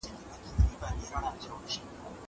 زه اوږده وخت لاس پرېولم وم!!